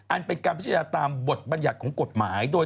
อันเป็นการพิจารณาตามบทบัญญัติของกฎหมาย